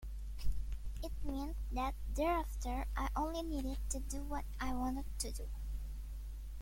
It meant that thereafter I only needed to do what I wanted to do.